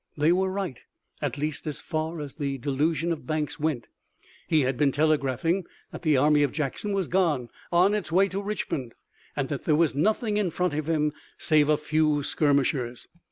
They were right, at least as far as the delusion of Banks went. He had been telegraphing that the army of Jackson was gone, on its way to Richmond, and that there was nothing in front of him save a few skirmishers.